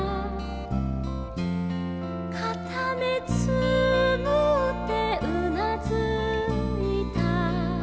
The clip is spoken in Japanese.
「かためつむってうなずいた」